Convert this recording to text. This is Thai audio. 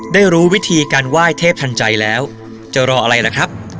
ได้รู้วิธีการไหว้เทพทันใจแล้วจะรออะไรล่ะครับ